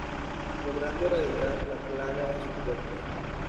Logrando erradicar la plaga de sus cuerpos.